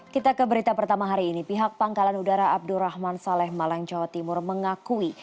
kita ke berita pertama hari ini pihak pangkalan udara abdurrahman saleh malang jawa timur mengakui